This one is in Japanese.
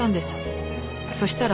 そしたら。